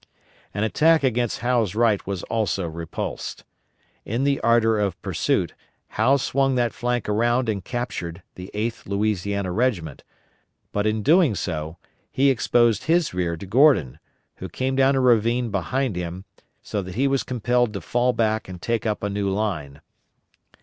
An attack against Howe's right was also repulsed. In the ardor of pursuit, Howe swung that flank around and captured the 8th Louisiana Regiment, but in doing so, he exposed his rear to Gordon, who came down a ravine behind him, so that he was compelled to fall back and take up a new line.